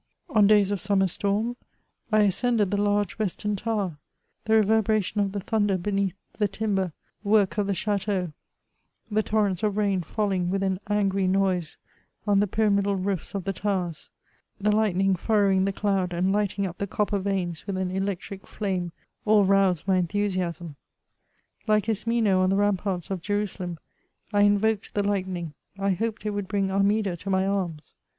On days of summer storm, I ascended the large western tower ; the reverberation of the thunder beneath the timber, work of the chdteau, the torrents of rain falling with an angry noise on the pyramidal roofs of the towers, the lightning fur rowing the cloud and lighting up the copper vanes with an electric flame, all roused my enthusiasm. like Ismeno on the ramparts of Jerusalem, I invoked the lightnmg ; I hoped it would bring Armida to my arms.